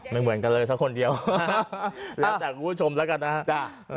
ไม่เหมือนกันเลยสักคนเดียวแล้วแต่คุณผู้ชมแล้วกันนะฮะจ้ะ